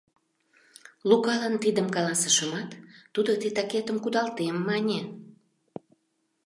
Лукалан тидым каласышымат, тудо титакетым кудалтем мане.